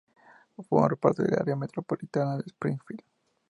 Forma parte del área metropolitana de Springfield.